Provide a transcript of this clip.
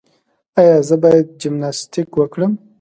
ایا زه باید جمناسټیک وکړم؟